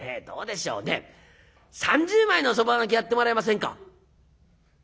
どうでしょうね３０枚のそば賭けやってもらえませんか？」。